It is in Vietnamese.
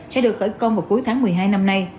sẽ được khởi công vào cuối tháng một mươi hai năm nay